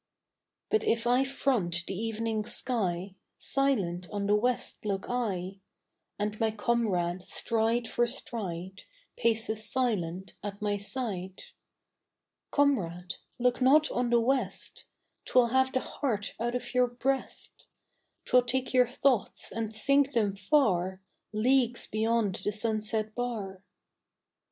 But if I front the evening sky Silent on the west look I, And my comrade, stride for stride, Paces silent at my side, Comrade, look not on the west: 'Twill have the heart out of your breast; 'Twill take your thoughts and sink them far, Leagues beyond the sunset bar.